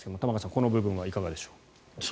この部分はどうでしょう？